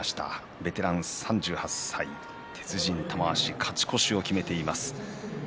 ベテラン３８歳、鉄人玉鷲勝ち越しを決めています。